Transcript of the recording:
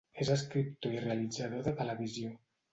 És escriptor i realitzador de televisió.